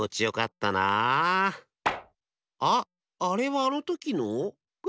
あっあれはあのときの？